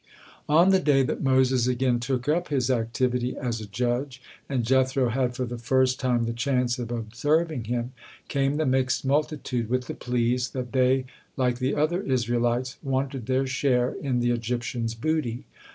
On the day that Moses again took up his activity as a judge, and Jethro had for the first time the chance of observing him, came the mixed multitude with the pleas that they, like the other Israelites, wanted their share in the Egyptians booty.